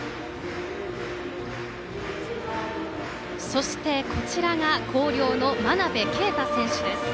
そして、こちらが広陵の真鍋慧選手です。